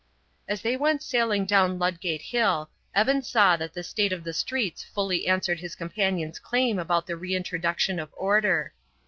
As they went sailing down Ludgate Hill, Evan saw that the state of the streets fully answered his companion's claim about the reintroduction of order.